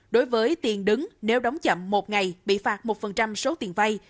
đối với tiền đứng nếu đóng chậm một ngày bị phạt một số tiền vay